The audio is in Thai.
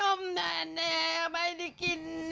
นั่งนั่งนั่งนั่งนั่งนั่งนั่งนั่งนั่งนั่งนั่งนั่งนั่ง